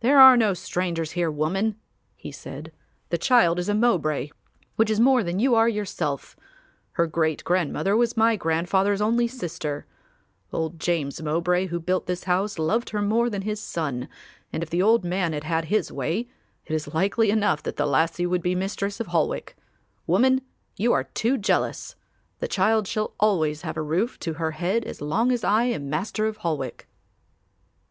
"There are no strangers here, woman," he said. "The child is a Mowbray which is more than you are yourself; her great grandmother was my grandfather's only sister. Old James Mowbray who built this house loved her more than his son and if the old man had had his way, it is likely enough that the lassie would be the Mistress of Holwick. Woman, you are too jealous. The child shall always have a roof to her head as long as I am Master of Holwick."